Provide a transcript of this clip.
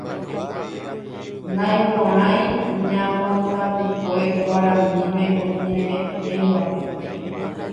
Naiporãi ñambotapykue Guaraníme oñeʼẽvape.